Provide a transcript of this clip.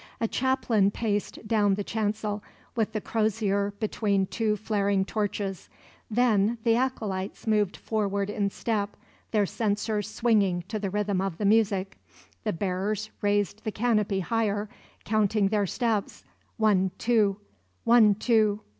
A chaplain paced down the chancel, with the crozier between two flaring torches; then the acolytes moved forward in step, their censers swinging to the rhythm of the music; the bearers raised the canopy higher, counting their steps: "One, two; one, two!"